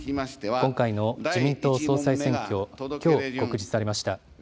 今回の自民党総裁選挙、きょう告示されました。